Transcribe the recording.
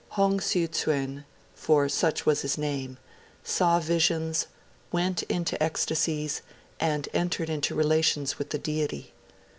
Hong Siu Tsuen for such was his name saw visions, went into ecstasies, and entered into relations with the Deity.